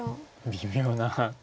微妙な。